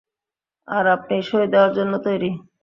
আর আপনি সই দেওয়ার জন্য তৈরি।